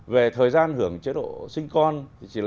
về thời gian hưởng chế độ sinh con chị lệ được nghỉ